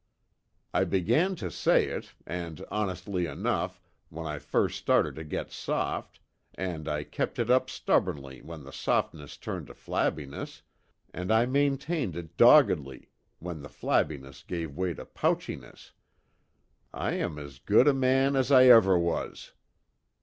I began to say it, and honestly enough, when I first started to get soft, and I kept it up stubbornly when the softness turned to flabbiness, and I maintained it doggedly when the flabbiness gave way to pouchiness: 'I am as good a man as I ever was!'